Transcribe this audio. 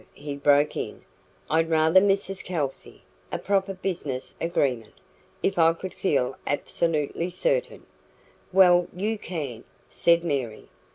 he broke in. "I'd rather Mrs Kelsey a proper business agreement if I could feel absolutely certain " "Well, you can," said Mary.